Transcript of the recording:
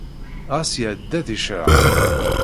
Ɣas iɛedda di ccreε.